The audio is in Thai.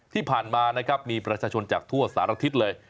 ที่ผ่านมานะครับมีประชาชนจากทั่วสารทิศเลย